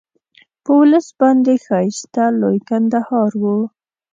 په ولس باندې ښایسته لوی کندهار وو.